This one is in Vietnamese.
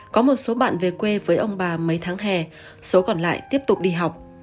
có một số bạn về quê với ông bà mấy tháng hè số còn lại tiếp tục đi học